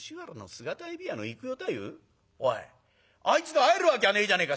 おいあいつが会えるわけはねえじゃねえか」。